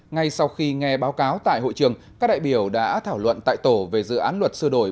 ngay sau khi nghe báo cáo tại hội trường các đại biểu đã thảo luận tại tổ về dự án luật sửa đổi